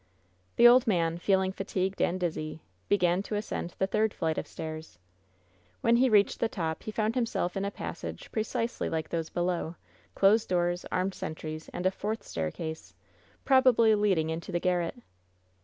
The old man, feeling fatigued and dizzy, began to as cend the third flight of stairs. When he reached the top he found himself in a passage precisely like those below — closed doors, armed sentries, and a fourth staircase, probably leading into the garret.